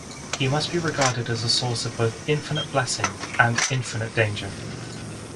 He must be regarded as a source of both infinite blessing and infinite danger.